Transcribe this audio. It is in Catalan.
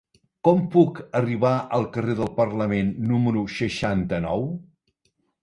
Com puc arribar al carrer del Parlament número seixanta-nou?